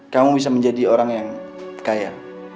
kamu bisa menjadi orang yang kaya